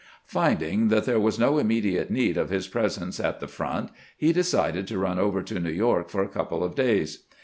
Finding that there was no immediate need of his pres ence at the front, he decided to run over to New York for a couple of days.